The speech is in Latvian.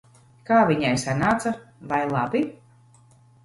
Kā viņai sanāca? Vai labi?